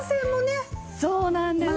そうなんですよ。